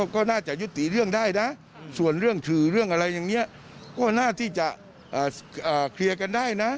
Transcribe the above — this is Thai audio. ก็น่าจะยุติเรื่องได้นะส่วนเรื่องสื่อเรื่องอะไรอย่างนี้ก็น่าที่จะเคลียร์กันได้นะ